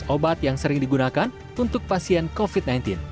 obat yang sering digunakan untuk pasien covid sembilan belas